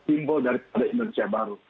simbol dari indonesia baru